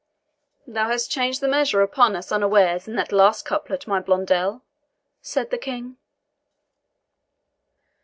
"Thou hast changed the measure upon us unawares in that last couplet, my Blondel," said the King.